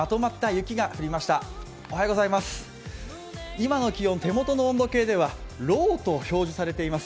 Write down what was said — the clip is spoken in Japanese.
今の気温、手元の温度計では、ＬＯと表示されています。